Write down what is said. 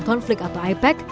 dan konflik atau aipac